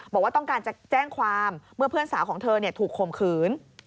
บอกว่าต้องการจะแจ้งความเมื่อเพื่อนสาวของเธอถูกข่มขืน